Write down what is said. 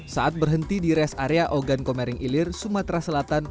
saat berhenti di res area ogan komering ilir sumatera selatan